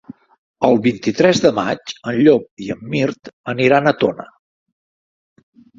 El vint-i-tres de maig en Llop i en Mirt aniran a Tona.